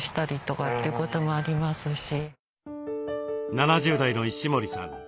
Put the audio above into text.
７０代の石森さん